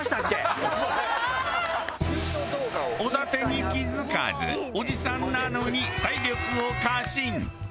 おだてに気づかずおじさんなのに体力を過信。